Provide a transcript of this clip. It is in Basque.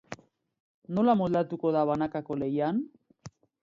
Nola moldatuko da banakako lehian?